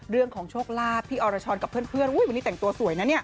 เรื่องของโชคลาภพี่อรชรกับเพื่อนวันนี้แต่งตัวสวยนะเนี่ย